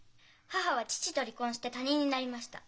母は父と離婚して他人になりました。